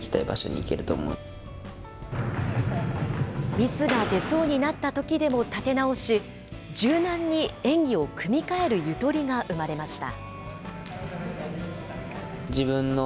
ミスが出そうになったときでも立て直し、柔軟に演技を組み替えるゆとりが生まれました。